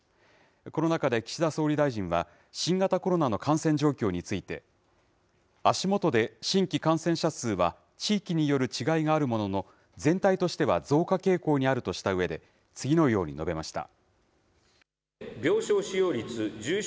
この中で岸田総理大臣は、新型コロナの感染状況について、足元で新規感染者数は地域による違いがあるものの、全体としては増加傾向にあるとしたうえで、次のように述べました。